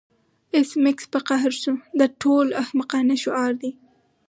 ایس میکس په قهر شو دا تر ټولو احمقانه شعار دی